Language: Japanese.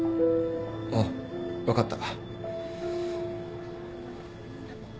ああ分かった。